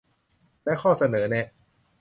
และข้อเสนอแนะ